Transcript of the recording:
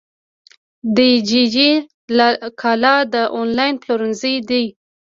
دیجیجی کالا د انلاین پلورنځی دی.